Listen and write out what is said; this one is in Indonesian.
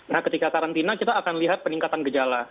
nah ketika karantina kita akan lihat peningkatan gejala